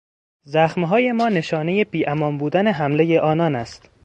زخمهای ما نشانهی بیامان بودن حملهی آنان است.